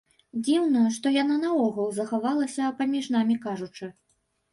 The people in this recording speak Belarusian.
Дзіўна, што яна наогул захавалася, паміж намі кажучы.